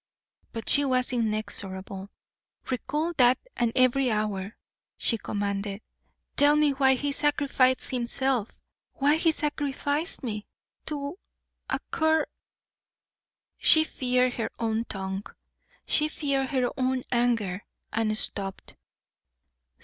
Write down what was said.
But she was inexorable. "Recall that and every hour," she commanded. "Tell me why he sacrificed himself, why he sacrificed me, to a cur " She feared her own tongue, she feared her own anger, and stopped.